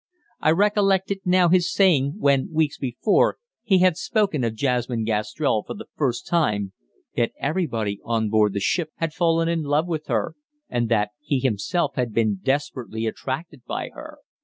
I recollected now his saying, when, weeks before, he had spoken of Jasmine Gastrell for the first time, that everybody on board the ship had fallen in love with her, and that he himself had been desperately attracted by her.